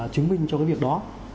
chứng minh cho việc đó